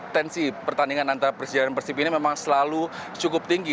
tensi pertandingan antara persija dan persib ini memang selalu cukup tinggi